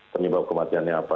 penyebab kematiannya apa